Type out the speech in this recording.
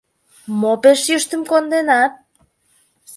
— Мо пеш йӱштым конденат?